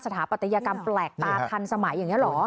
ถาปัตยกรรมแปลกตาทันสมัยอย่างนี้เหรอ